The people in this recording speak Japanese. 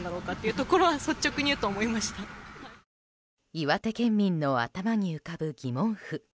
岩手県民の頭に浮かぶ疑問符。